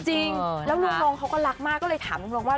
จริงแล้วลุงลงเขาก็รักมากก็เลยถามลุงลงว่า